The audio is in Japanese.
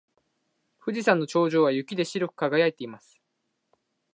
富士山の頂上は雪で白く輝いています。